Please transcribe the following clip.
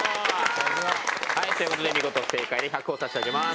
ということで見事正解で１００ほぉ差し上げます。